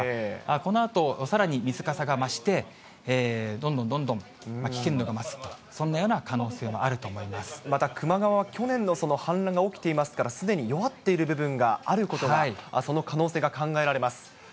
このあとさらに水かさが増して、どんどんどんどん危険度が増す、そんなような可能もあると思いままた球磨川は去年の氾濫が起きていますから、すでに弱っている部分があることが、その可能性が考えられます。